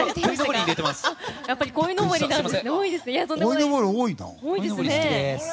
こいのぼり、多いな。